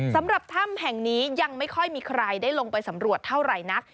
สำหรับถ้ำแห่งนี้ยังไม่ค่อยมีใครได้ลงไปสำรวจเท่าไหร่นัก